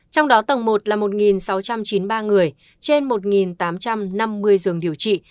trong đó tầng một là một sáu trăm chín mươi ba người trên một tám trăm năm mươi giường điều trị